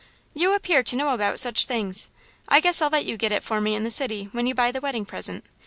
"You appear to know about such things. I guess I'll let you get it for me in the city when you buy the weddin' present.